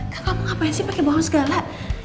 kakak mau ngapain sih pakai bohong segala